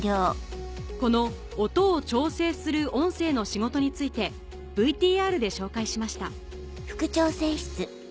この音を調整する音声の仕事についてＶＴＲで紹介しました